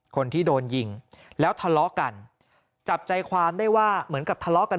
คนที่โดนยิงแล้วทะเลาะกันจับใจความได้ว่าเหมือนกับทะเลาะกัน